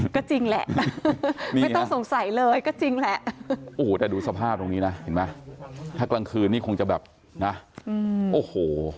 ก็จริงแหละไม่ต้องสงสัยเลยก็จริงแหละโอ้โหแต่ดูสภาพตรงนี้นะเห็นไหมถ้ากลางคืนนี่คงจะแบบนะโอ้โห